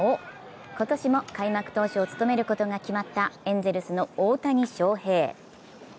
今年も開幕投手を務めることが決まったエンゼルスの大谷翔平。